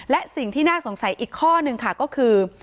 และสิ่งที่น่าสงสัยอีกข้อหนึ่งค่ะก็คือ